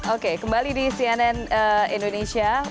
oke kembali di cnn indonesia